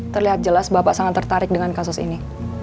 terlihat jelas bapak sangat tertarik dengan kasus ini